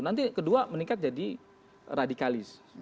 nanti kedua meningkat jadi radikalis